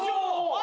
あ！